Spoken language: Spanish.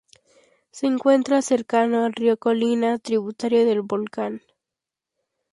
Se encuentra cercano al río Colina, tributario del Volcán.